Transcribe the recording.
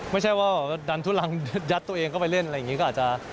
ไม่ใช่ว่าดันทุลังยัดตัวเองเข้าไปเล่นอะไรอย่างนี้ก็อาจจะ